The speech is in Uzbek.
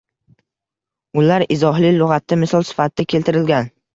Ular izohli lugʻatda misol sifatida keltirilgan